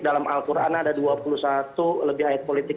dalam al qurannya ada dua puluh satu lebih ayat politik